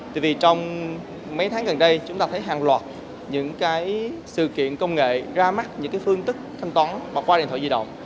tại vì trong mấy tháng gần đây chúng ta thấy hàng loạt những cái sự kiện công nghệ ra mắt những cái phương thức thanh toán qua điện thoại di động